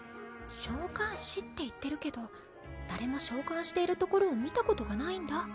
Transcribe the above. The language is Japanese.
召喚士って言ってるけど誰も召喚しているところを見たことがないんだ。